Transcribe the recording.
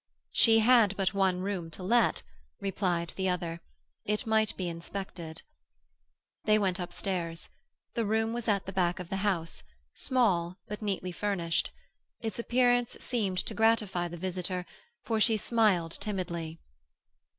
She had but one room to let, replied the other. It might be inspected. They went upstairs. The room was at the back of the house, small, but neatly furnished. Its appearance seemed to gratify the visitor, for she smiled timidly.